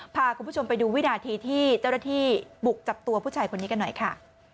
พาคุณผู้ชมไปดูวินาทีที่เจ้าหน้าที่บุกจับตัวผู้ชายคนนี้กันหน่อยค่ะ